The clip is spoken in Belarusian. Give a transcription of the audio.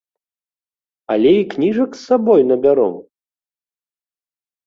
Але і кніжак з сабой набяром?